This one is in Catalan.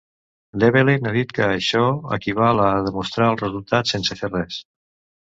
Develin ha dit que això equival a demostrar el resultat "sense fer res".